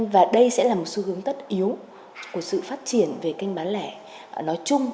và đây sẽ là một xu hướng tất yếu của sự phát triển về kênh bán lẻ nói chung